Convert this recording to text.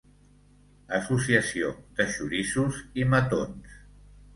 Associació de xoriços i matons.